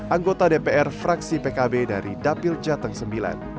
anggota dpr fraksi pkb dari dapil jateng ix